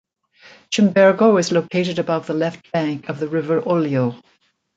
Cimbergo is located above the left bank of the river Oglio.